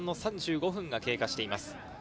前半の３５分が経過しています。